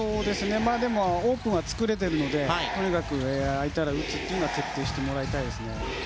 でもオープンは作れているので、とにかく空いたら打つというのは徹底してもらいたいです。